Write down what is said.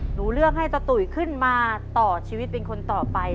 หนูเลือกให้ตะตุ๋ยขึ้นมาต่อชีวิตเป็นคนต่อไป